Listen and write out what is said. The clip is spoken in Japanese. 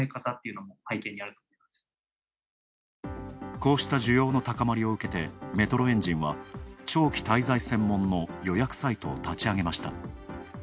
こうした需要の高まりを受けてメトロエンジンは長期滞在専門の予約サイトを立ち上げました。